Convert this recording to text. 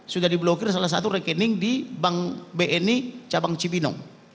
sudah diblokir salah satu rekening di bank bni cabang cibinong